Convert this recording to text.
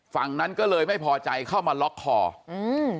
ฝั่งนั้นก็เลยไม่พอใจเข้ามาล็อกคออืม